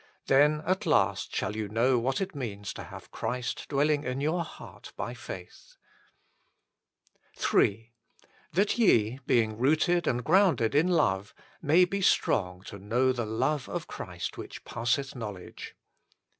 Then at last shall you know what it means to have Christ dwelling in your heart by faith. HOW IT COMES TO ITS MANIFESTATION 129 III That ye, Toeing rooted and grounded in love, may be strong to know the love of Christ which passeth knowledge.